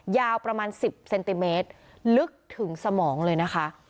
ยาวประมาณ๑๐เซนติเมตรลึกถึงสมองเลยนะคะ